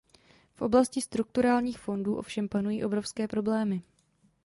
V oblasti strukturálních fondů ovšem panují obrovské problémy.